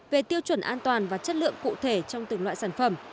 về tiêu chuẩn an toàn và chất lượng cụ thể trong từng loại sản phẩm